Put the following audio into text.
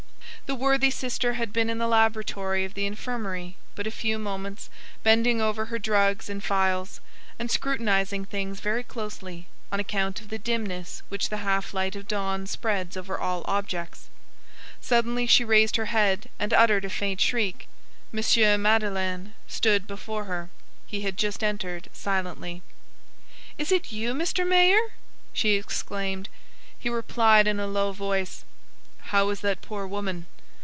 The worthy sister had been in the laboratory of the infirmary but a few moments, bending over her drugs and phials, and scrutinizing things very closely, on account of the dimness which the half light of dawn spreads over all objects. Suddenly she raised her head and uttered a faint shriek. M. Madeleine stood before her; he had just entered silently. "Is it you, Mr. Mayor?" she exclaimed. He replied in a low voice:— "How is that poor woman?"